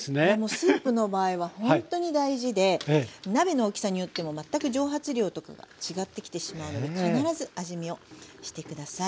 スープの場合はほんとに大事で鍋の大きさによっても全く蒸発量とかが違ってきてしまうので必ず味見をして下さい。